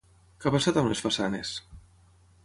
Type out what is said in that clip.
Què ha passat amb les façanes?